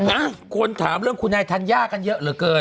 อ่ะคนถามเรื่องคุณนายธัญญากันเยอะเหลือเกิน